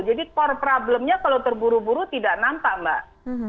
jadi core problemnya kalau terburu buru tidak nampak mbak